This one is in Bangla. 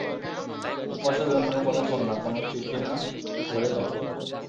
এক মাসের জন্য, কোনো ফোন না, কোনো চিঠি না ভেবে দেখো।